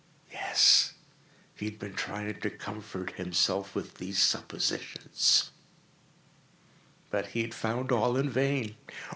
Yes, he had been trying to comfort himself with these suppositions: but he had found all in vain.